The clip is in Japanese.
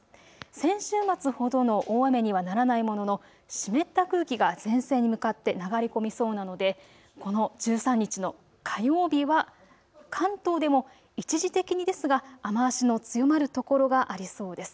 先週末ほどの大雨にはならないものの湿った空気が前線に向かって流れ込みそうなのでこの１３日の火曜日は関東でも一時的にですが雨足の強まるところがありそうです。